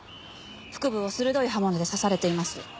腹部を鋭い刃物で刺されています。